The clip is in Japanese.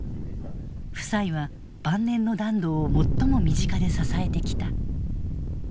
夫妻は晩年の團藤を最も身近で支えてきた。